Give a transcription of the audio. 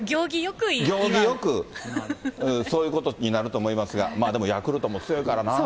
行儀よく、そういうことになると思いますが、でもヤクルトも強いからなー。